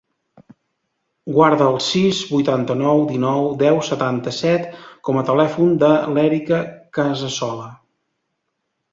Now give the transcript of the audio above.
Guarda el sis, vuitanta-nou, dinou, deu, setanta-set com a telèfon de l'Erica Casasola.